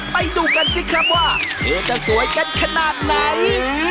ไปดูกันสิครับว่าเธอจะสวยกันขนาดไหน